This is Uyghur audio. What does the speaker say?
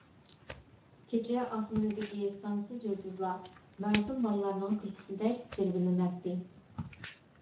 كېچە ئاسمىنىدىكى سانسىز يۇلتۇزلار مەسۇم بالىلارنىڭ كۈلكىسىدەك جىلۋىلىنەتتى.